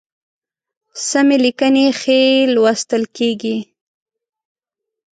سمي لیکنی ښی لوستل کیږي